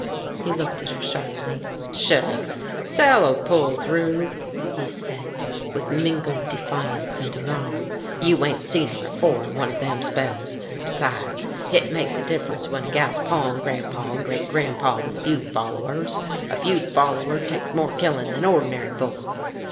He looked at her sharply. "Shucks! Sal'll pull through," he said with mingled defiance and alarm. "You ain't saw her afore in one of them spells. Besides, hit meks a difference when a gal's paw and grandpaw and great grandpaw was feud followers. A feud follower teks more killin' then ordinary folks.